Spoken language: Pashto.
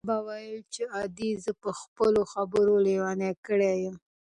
اغا به ویل چې ادې زه په خپلو خبرو لېونۍ کړې یم.